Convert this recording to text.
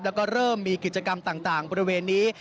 แล้วก็เริ่มมีกิจกรรมต่างบริเวณนี้